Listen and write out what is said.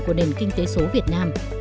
của nền kinh tế số việt nam